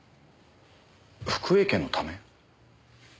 福栄家のため？